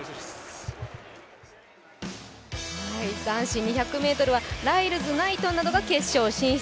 男子２００ｍはライルズ、ナイトンなどが決勝進出。